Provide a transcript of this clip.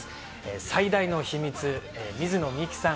最大の秘密、水野美紀さん